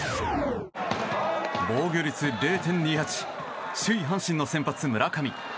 防御率０．２８首位、阪神の先発、村上。